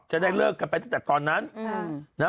จะได้เลิกกันไปตั้งแต่ตอนนั้น